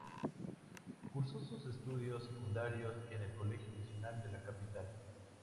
Cursó sus estudios secundarios en el Colegio Nacional de la Capital.